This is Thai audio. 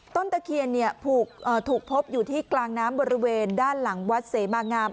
ตะเคียนถูกพบอยู่ที่กลางน้ำบริเวณด้านหลังวัดเสมางาม